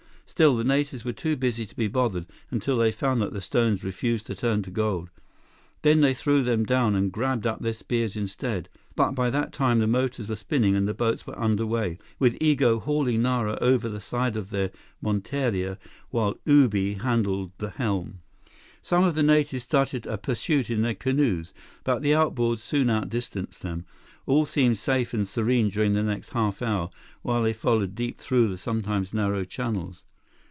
Still, the natives were too busy to be bothered until they found that the stones refused to turn to gold. Then they threw them down and grabbed up their spears instead, but by that time the motors were spinning and the boats were under way, with Igo hauling Nara over the side of their monteria while Ubi handled the helm. Some of the natives started a pursuit in their canoes, but the outboards soon outdistanced them. All seemed safe and serene during the next half hour, while they followed deep though sometimes narrow channels.